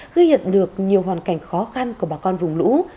ghi nhận được nhiều hoàn cảnh khó khăn của bà con vùng lũ